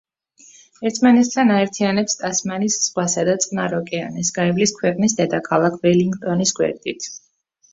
ერთმანეთთან აერთებს ტასმანის ზღვასა და წყნარ ოკეანეს, გაივლის ქვეყნის დედაქალაქ ველინგტონის გვერდით.